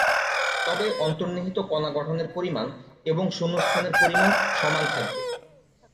তবে অন্তর্নিহিত কণা গঠনের পরিমাণ এবং শূন্যস্থানের পরিমাণ সমান থাকবে।